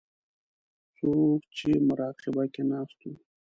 څوک په مراقبه کې ناست وو.